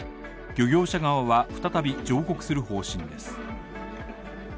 漁業者側は、再び上告する方針です。